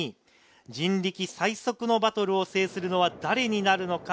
人力最速のバトルを制するのは誰になるのか？